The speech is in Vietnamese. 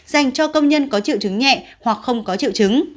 dành cho công nhân có triệu chứng nhẹ hoặc không có triệu chứng